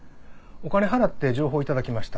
お金払って情報を頂きました。